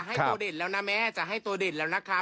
ให้ตัวเด่นแล้วนะแม่จะให้ตัวเด่นแล้วนะคะ